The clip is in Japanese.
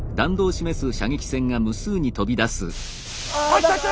あ来た来た！